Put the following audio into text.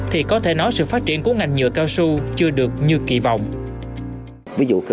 thì có thể nói sự phát triển của ngành nhựa cao su chưa được như kỳ vọng